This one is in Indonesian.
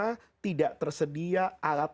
karena tidak tersedia alat alat